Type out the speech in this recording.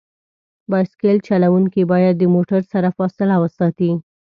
بایسکل چلونکي باید د موټرو سره فاصله وساتي.